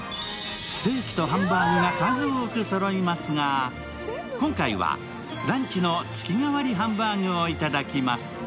ステーキとハンバーグが数多くそろいますが、今回はランチの月替わりハンバーグを頂きます。